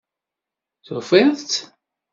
Tufiḍ-tt?